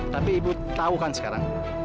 tapi ibu tahu kan sekarang